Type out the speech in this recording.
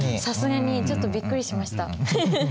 さすがにちょっとびっくりしました。